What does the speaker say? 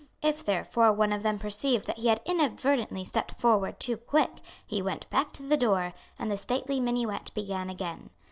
If therefore one of them perceived that he had inadvertently stepped forward too quick, he went back to the door, and the stately minuet began again.